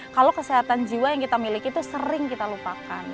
kalau kesehatan jiwa yang kita miliki itu sering kita lupakan